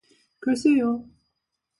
글쎄요.